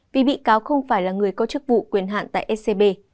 vì bị cáo không phải là người có chức vụ quyền hạn tại scb